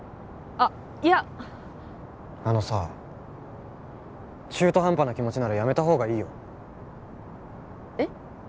あっいやあのさ中途半端な気持ちならやめた方がいいよえっ？